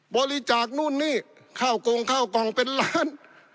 บริจาคนู่นนี่ข้าวกงข้าวกล่องเป็นล้าน